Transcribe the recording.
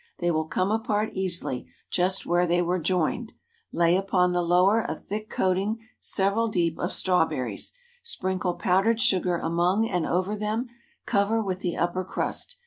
They will come apart easily, just where they were joined. Lay upon the lower a thick coating several deep, of strawberries; sprinkle powdered sugar among and over them; cover with the upper crust.